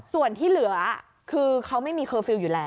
ส่วนที่เหลือคือเขาไม่มีเคอร์ฟิลล์อยู่แล้ว